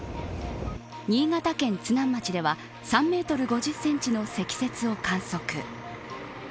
新潟県津南町では３メートル５０センチの積雪を観測。